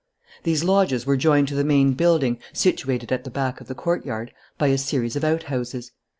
These lodges were joined to the main building, situated at the back of the courtyard, by a series of outhouses.